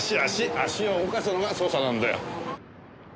足を動かすのが捜査なんだよ。